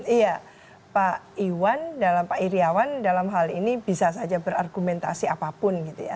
iya pak iwan dan pak iriawan dalam hal ini bisa saja berargumentasi apapun